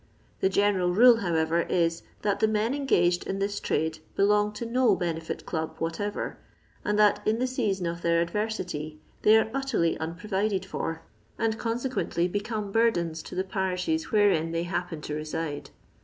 The general rule, how ever, is, that the men engaged in this trade be long to no benefit club whatever, and that in the season of their adversity they are utterly unprovided for, and consequently become burdens to the parishes whorein they happen to reside.